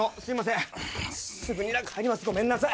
すいません